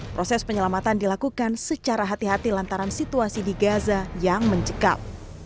proses penyelamatan dilakukan secara hati hati lantaran situasi di gaza yang mencekam